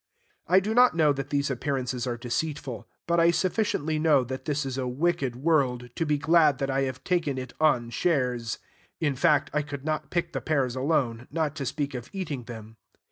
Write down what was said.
I do not know that these appearances are deceitful; but I sufficiently know that this is a wicked world, to be glad that I have taken it on shares. In fact, I could not pick the pears alone, not to speak of eating them.